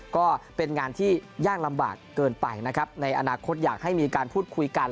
ก็เป็นงานที่ยากลำบากเกินไปนะครับในอนาคตอยากให้มีการพูดคุยกัน